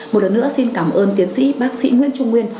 một lần nữa xin cảm ơn tiến sĩ bác sĩ nguyễn trung nguyên